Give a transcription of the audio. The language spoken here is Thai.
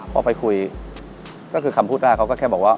พอไปคุยก็คือคำพูดแรกเขาก็แค่บอกว่า